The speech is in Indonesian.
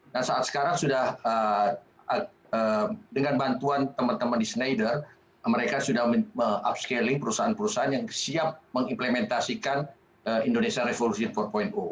dan saat sekarang sudah dengan bantuan teman teman di schneider mereka sudah upscaling perusahaan perusahaan yang siap mengimplementasikan indonesia revolution empat